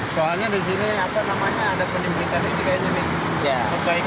soalnya di sini ada penyimpinkan ini kayaknya nih